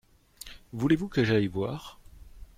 Voulez-vous que j’aille voir ?